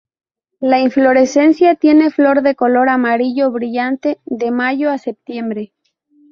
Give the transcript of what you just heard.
La inflorescencia tiene flores de color amarillo brillante de mayo a septiembre.